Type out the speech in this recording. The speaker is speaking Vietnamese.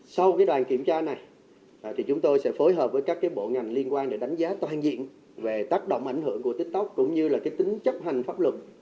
sau đoàn kiểm tra này chúng tôi sẽ phối hợp với các bộ ngành liên quan để đánh giá toàn diện về tác động ảnh hưởng của tiktok cũng như là tính chấp hành pháp luật